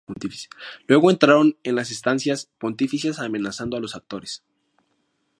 Luego entraron en las estancias pontificias amenazando a los electores.